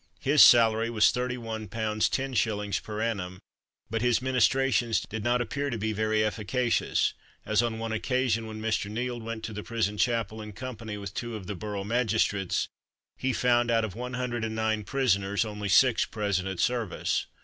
His salary was 31 pounds 10s. per annum; but his ministrations did not appear to be very efficacious, as, on one occasion, when Mr. Nield went to the prison chapel in company with two of the borough magistrates, he found, out of one hundred and nine prisoners, only six present at service.